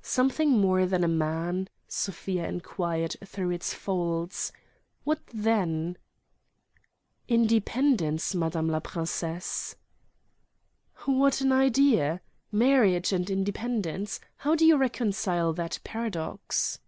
"Something more than a man?" Sofia enquired through its folds. "What then?" "Independence, madame la princesse." "What an idea! Marriage and independence: how do you reconcile that paradox?"